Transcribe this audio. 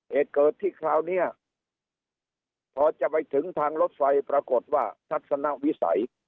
เหตุเกิดที่คราวนี้พอจะไปถึงทางรถไฟปรากฏว่าทัศนวิสัย